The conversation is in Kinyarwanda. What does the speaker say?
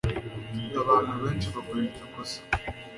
Abantu benshi bakora iryo kosa